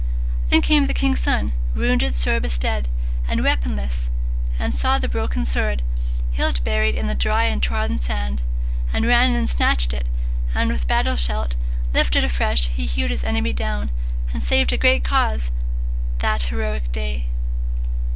Then came the king's son, wounded, sore bestead, And weaponless, and saw the broken sword, Hilt buried in the dry and trodden sand, And ran and snatched it, and with battle shout Lifted afresh he hewed his enemy down, And saved a great cause that heroic day.